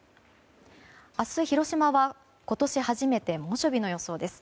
明日、広島は今年初めて猛暑日の予想です。